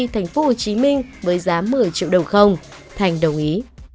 thành phố hồ chí minh với giá một mươi triệu đồng không thành đồng ý